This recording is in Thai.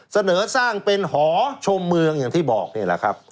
เสนอสร้างเป็นหอชมเมืองอย่างที่บอกนี่แหละครับ